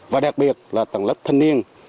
và đặc biệt là tầng lớp thanh niên